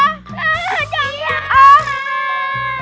eh jangan jangan